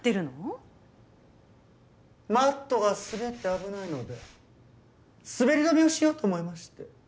マットが滑って危ないので滑り止めをしようと思いまして。